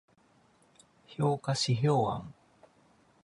評価指標案